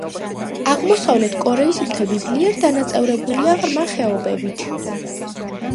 აღმოსავლეთ კორეის მთები ძლიერ დანაწევრებულია ღრმა ხეობებით.